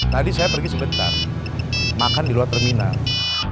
tadi saya pergi sebentar makan di luar terminal